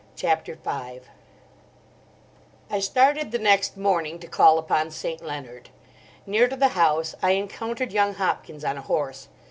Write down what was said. CHAPTER V I STARTED the next morning to call upon St. Leonard. Near to the house I encountered young Hopkins on a horse.